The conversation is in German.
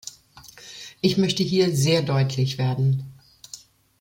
Ich möchte hier sehr deutlich werden.